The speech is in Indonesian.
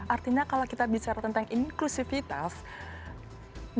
artinya kalau kita bicara tentang inklusifitas no one left is behind